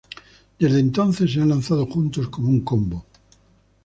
Desde entonces, se han lanzado juntos como un combo.